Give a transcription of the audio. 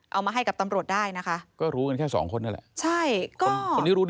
เอามาให้กับตำรวจได้นะคะก็รู้กันแค่สองคนนี่แหละ